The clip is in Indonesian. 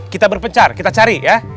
kita berpencar kita cari ya